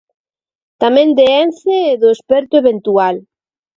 Tamén de Ence e do experto eventual.